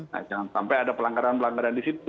nah jangan sampai ada pelanggaran pelanggaran di situ